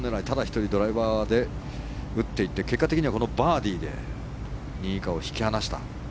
ただ１人ドライバーで打っていって結果的にはバーディーで２位以下を引き離した。